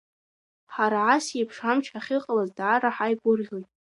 Ҳара ас еиԥш амш ахьыҟалаз даара ҳаигәырӷьоит.